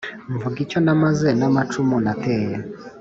Mvuga icyo namaze n’amacumu nateye